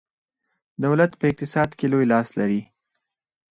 دولت په اقتصاد کې لوی لاس لري.